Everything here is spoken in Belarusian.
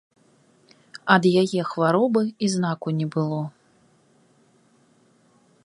Ад яе хваробы і знаку не было.